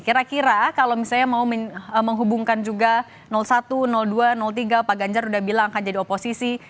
kira kira kalau misalnya mau menghubungkan juga satu dua tiga pak ganjar udah bilang akan jadi oposisi